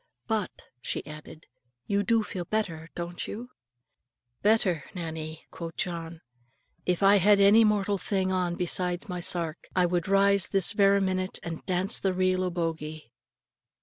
"But," she added, "you do feel better; don't you?" "Better! Nannie," quo' John; "if I had any mortal thing on besides my sark, I would rise this vera minute, and dance the reel o' Bogie."